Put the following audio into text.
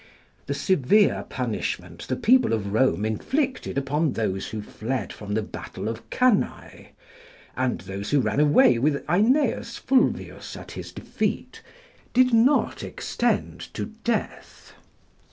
The severe punishment the people of Rome inflicted upon those who fled from the battle of Cannae, and those who ran away with Aeneius Fulvius at his defeat, did not extend to death.